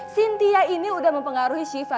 sintia ini udah mempengaruhi sisyifa